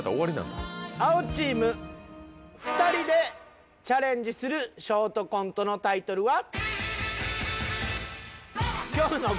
青チーム２人でチャレンジするショートコントのタイトルは。